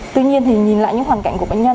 tuy nhiên thì nhìn lại những hoàn cảnh của bệnh nhân